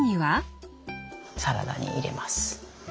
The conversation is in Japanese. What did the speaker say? サラダに入れます。